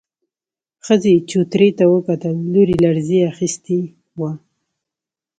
ښځې چوترې ته وکتل، لور يې لړزې اخيستې وه.